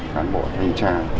đoàn bộ thanh tra